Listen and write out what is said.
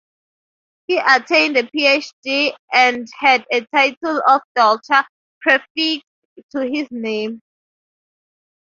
He attained a Ph.D. and had a title of 'Doctor' prefixed to his name.